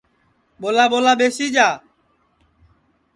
ٻولا ٻولا ٻیسی جا